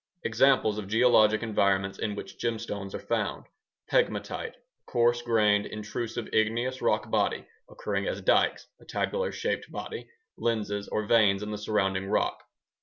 Examples of geologic environments in which gemstones are found: _Pegmatite_ŌĆöa coarse grained intrusive igneous rock body, occurring as dikes (a tabular shaped body), lenses, or veins in the surrounding rock.